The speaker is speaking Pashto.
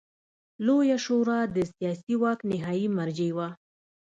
لویه شورا د سیاسي واک نهايي مرجع وه.